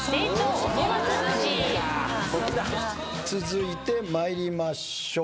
続いて参りましょう。